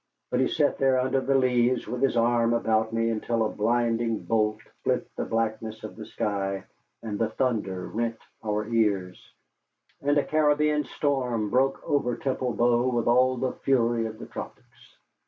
But he sat there under the leaves with his arm about me until a blinding bolt split the blackness of the sky and the thunder rent our ears, and a Caribbean storm broke over Temple Bow with all the fury of the tropics.